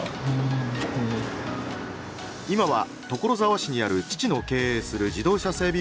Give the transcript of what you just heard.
今は所沢市にある父の経営する自動車整備